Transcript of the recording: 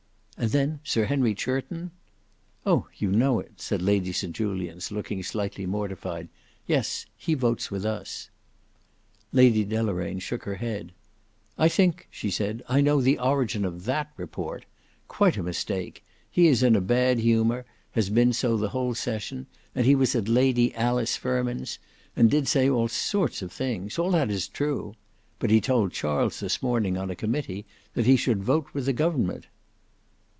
"And then Sir Henry Churton—" "Oh! you know it," said Lady St Julians, looking slightly mortified. "Yes: he votes with us." Lady Deloraine shook her head. "I think," she said, "I know the origin of that report. Quite a mistake. He is in a bad humour, has been so the whole session, and he was at Lady Alice Fermyne's, and did say all sorts of things. All that is true. But he told Charles this morning on a committee, that he should vote with the Government."